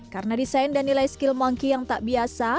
karena desain dan nilai skill monkey yang tak biasa